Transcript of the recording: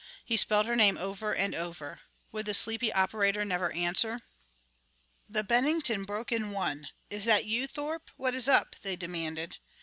He spelled her name, over and over.... Would the sleepy operator never answer? The Bennington broke in one. "Is that you, Thorpe? What is up?" they demanded.